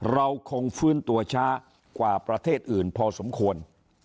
เราคงฟื้นตัวช้ากว่าประเทศอื่นพอสมควร